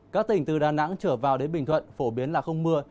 các tỉnh từ đà nẵng trở vào đến bình thuận phổ biến là không mưa